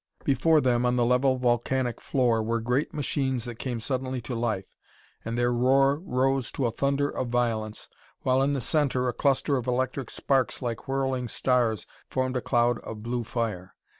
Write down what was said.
Before them on the level volcanic floor were great machines that came suddenly to life, and their roar rose to a thunder of violence, while, in the center, a cluster of electric sparks like whirling stars formed a cloud of blue fire.